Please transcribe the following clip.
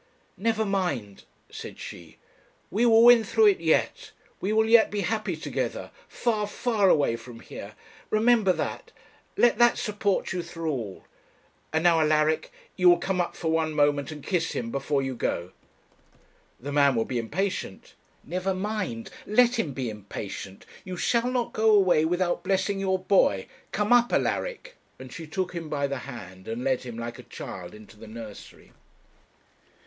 'Never mind,' said she; 'we will win through it yet we will yet be happy together, far, far away from here remember that let that support you through all. And now, Alaric, you will come up for one moment and kiss him before you go.' 'The man will be impatient.' 'Never mind; let him be impatient you shall not go away without blessing your boy; come up, Alaric.' And she took him by the hand and led him like a child into the nursery.